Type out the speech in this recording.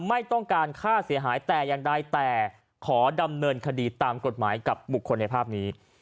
ไม่ต้องการค่าเสียหายแต่อย่างใดแต่ขอดำเนินคดีตามกฎหมายกับบุคคลในภาพนี้